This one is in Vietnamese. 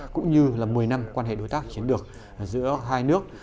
cũng như là một mươi năm quan hệ đối tác chiến lược giữa hai nước